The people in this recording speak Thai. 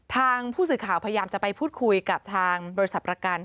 ทางผู้สื่อข่าวพยายามจะไปพูดคุยกับทางบริษัทประกัน